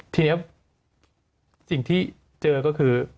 ทีนี้สิ่งที่เจอก็คือ